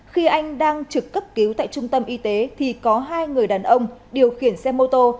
khi anh đang trực cấp cứu tại trung tâm y tế thì có hai người đàn ông điều khiển xe mô tô